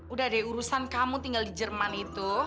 udah deh urusan kamu tinggal di jerman itu